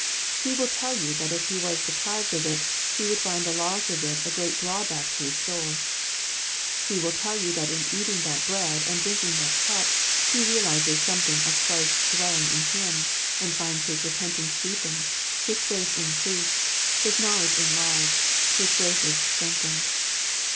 He will tell you that if he was deprived of it, he would find the loss of it a great drawback to his soul. He will tell you that in eating that bread, and drinking that cup, he realizes something of Christ dwelling in him ; and finds his repentance deepened, his faith increased, his knowledge en larged, his graces strengthened.